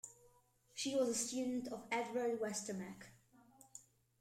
She was a student of Edvard Westermarck.